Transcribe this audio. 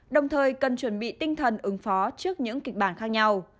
đồng thời cần chuẩn bị tinh thần ứng phó trước những kịch bản khác nhau